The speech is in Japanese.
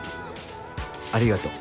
ありがとう。